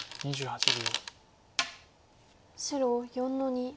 白４の二。